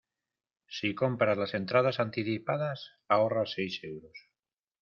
Si compras las entradas anticipadas ahorras seis euros.